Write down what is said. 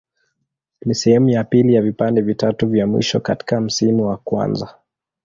Ni sehemu ya pili ya vipande vitatu vya mwisho katika msimu wa kwanza.